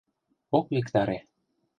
Ок виктаре.